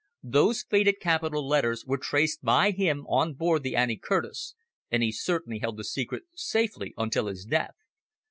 Those faded capital letters were traced by him on board the Annie Curtis, and he certainly held the secret safely until his death.